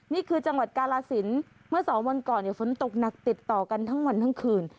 นี่คือจังหวัดกาลสินเมื่อสองวันก่อนฝนตกหนักติดต่อกันทั้งวันทั้งคืน